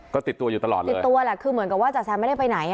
ก็ติดตัวอยู่ตลอดเลยติดตัวแหละคือเหมือนกับว่าจ๋าแซมไม่ได้ไปไหน